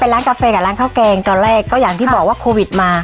ร้านกาแฟกับร้านข้าวแกงตอนแรกก็อย่างที่บอกว่าโควิดมา